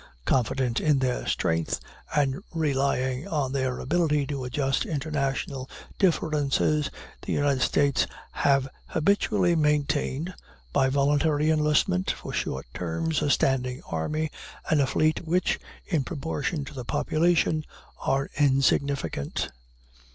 Confident in their strength, and relying on their ability to adjust international differences, the United States have habitually maintained, by voluntary enlistment for short terms, a standing army and a fleet which, in proportion to the population, are insignificant.